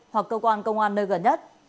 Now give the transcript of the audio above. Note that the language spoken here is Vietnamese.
hoặc cơ quan công an nơi gần nhất